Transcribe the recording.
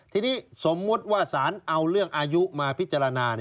ทีนี้สมมุติว่าสารเอาเรื่องอายุมาพิจารณา